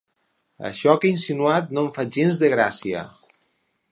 Això que ha insinuat no em fa gens de gràcia.